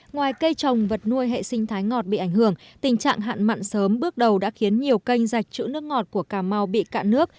ngoài cây trồng vật nuôi hệ sinh thái ngọt bị ảnh hưởng tình trạng hạn mặn sớm bước đầu đã khiến nhiều kênh dạch chữ nước ngọt của cà mau bị cạn nước